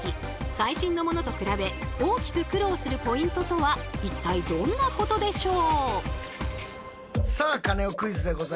最新のものと比べ大きく苦労するポイントとは一体どんなことでしょう？